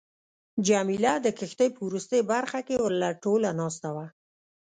جميله د کښتۍ په وروستۍ برخه کې ورله ټوله ناسته وه.